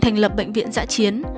thành lập bệnh viện giã chiến